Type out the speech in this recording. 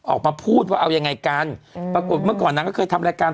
ออกมาพูดว่าเอายังไงกันอืมปรากฏเมื่อก่อนนางก็เคยทำรายการ